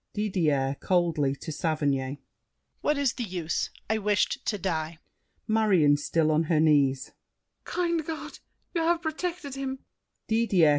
DIDIER (coldly, to Saverny). What is the use? I wished to die. MARION (still on her knees). Kind God, You have protected him!